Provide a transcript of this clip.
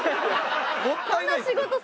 もったいないって！